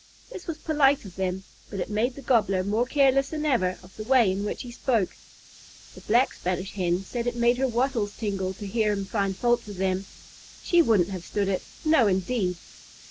This was polite of them, but it made the Gobbler more careless than ever of the way in which he spoke. The Black Spanish Hen said it made her wattles tingle to hear him find fault with them. She wouldn't have stood it no, indeed!